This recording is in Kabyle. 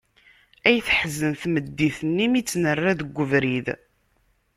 Ay teḥzen tmeddit-nni mi tt-nerra deg ubrid!